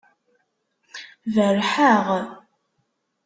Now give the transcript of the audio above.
Berrḥeɣ.